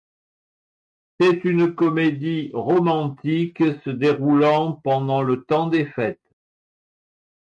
C'est une comédie romantique se déroulant pendant le temps des fêtes.